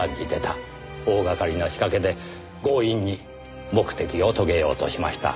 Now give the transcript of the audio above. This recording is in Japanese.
大掛かりな仕掛けで強引に目的を遂げようとしました。